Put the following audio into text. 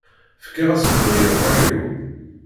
Fkiɣ-as lebɣi i ṛṛay-iw.